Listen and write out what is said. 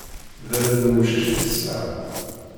D allen n wemcic i tesɛa.